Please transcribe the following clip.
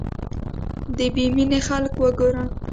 دا بې مينې خلک وګوره